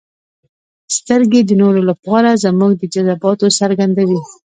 • سترګې د نورو لپاره زموږ د جذباتو څرګندوي.